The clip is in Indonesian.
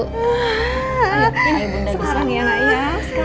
sekarang ya nak sekarang ya